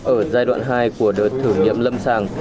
ở giai đoạn hai của đợt thử nghiệm lâm sàng